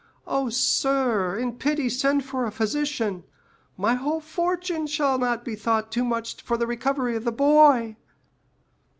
Oh, sir, in pity send for a physician; my whole fortune shall not be thought too much for the recovery of my boy."